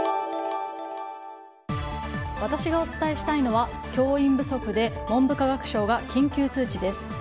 私がお伝えしたいのは教員不足で文部科学省が緊急通知です。